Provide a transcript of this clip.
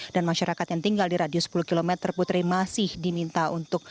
dan masyarakat yang tinggal di radius sepuluh km putri masih diminta untuk